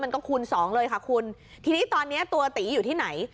คูณสองเลยค่ะคุณทีนี้ตอนเนี้ยตัวตีอยู่ที่ไหน